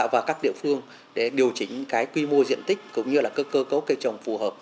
và các địa phương để điều chỉnh cái quy mô diện tích cũng như là cơ cấu cây trồng phù hợp